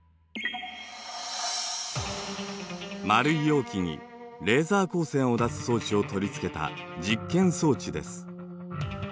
丸い容器にレーザー光線を出す装置を取り付けた実験装置です。